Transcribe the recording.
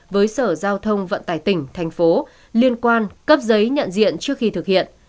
với sở giao thông vận tải tỉnh thành phố liên quan cấp giấy nhận diện trước khi thực hiện